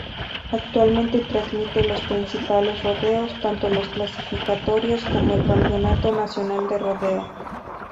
Actualmente transmite los principales rodeos, tanto los clasificatorios como el Campeonato Nacional de Rodeo.